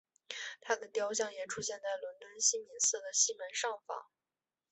她的雕像也出现在伦敦西敏寺的西门上方。